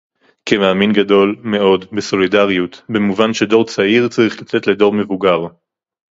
כמאמין גדול מאוד בסולידריות במובן שדור צעיר צריך לתת לדור מבוגר